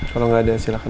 kalau gak ada silahkan